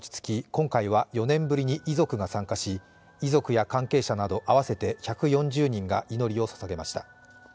今回は４年ぶりに遺族が参加し、遺族や関係者など合わせて１４０人が祈りをささげました。